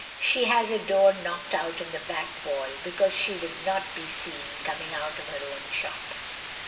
She had a door knocked out in the back wall, because she would not be seen coming out of her own shop.